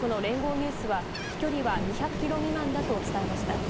ニュースは飛距離は２００ｋｍ未満だと伝えました。